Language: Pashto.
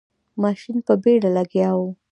ماشین په بیړه لګیا و.